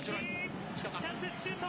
チャンスです、シュート！